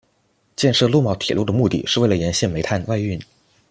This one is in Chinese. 建设洛茂铁路的目的是为了沿线煤炭外运。